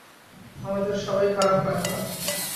আমাদের সবাই খারাপ হয় না।